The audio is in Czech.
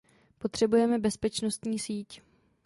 Potřebujeme bezpečnostní síť.